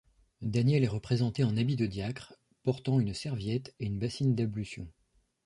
Daniel est représenté en habit de diacre, portant une serviette et une bassine d'ablution.